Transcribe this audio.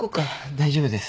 大丈夫です。